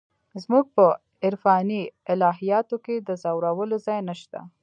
زموږ په عرفاني الهیاتو کې د ځورولو ځای نشته.